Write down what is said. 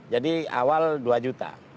jadi awal dua juta